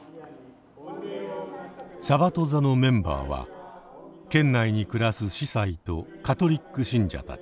さばと座のメンバーは県内に暮らす司祭とカトリック信者たち。